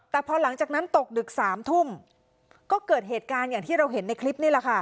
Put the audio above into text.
แต่พอหลังจากนั้นตกดึก๓ทุ่มก็เกิดเหตุการณ์อย่างที่เราเห็นในคลิปนี่แหละค่ะ